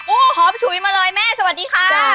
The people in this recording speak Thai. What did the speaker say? โอ้โหหอมฉุยมาเลยแม่สวัสดีค่ะ